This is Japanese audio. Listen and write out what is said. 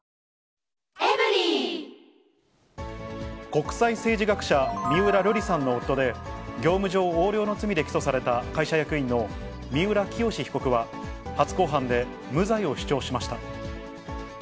国際政治学者、三浦瑠莉さんの夫で、業務上横領の罪で起訴された会社役員の三浦清志被告は、初公判で無罪を主張しました。